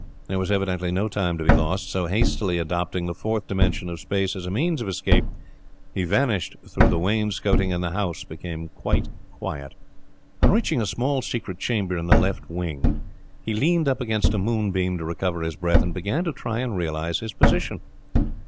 There was evidently no time to be lost, so, hastily adopting the Fourth dimension of Space as a means of escape, he vanished through the wainscoting, and the house became quite quiet. On reaching a small secret chamber in the left wing, he leaned up against a moonbeam to recover his breath, and began to try and realize his position.